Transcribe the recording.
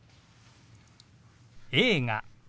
「映画」。